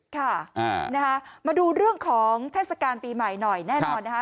ค่ะมาดูเรื่องของเทศกาลปีใหม่หน่อยแน่นอนนะคะ